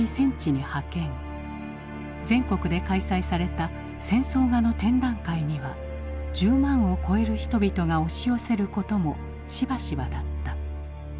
全国で開催された「戦争画」の展覧会には１０万を超える人々が押し寄せることもしばしばだった。